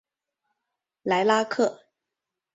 莱拉克。